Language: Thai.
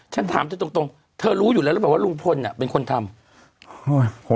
ฉันถามจะตรงตรงเธอรู้อยู่แล้วยังประวัติว่าลุงพลอ่ะเป็นคนทำเออ